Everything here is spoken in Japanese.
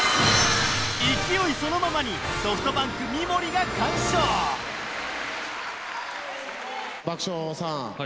勢いそのままにソフトバンク・三森が完勝爆笑さん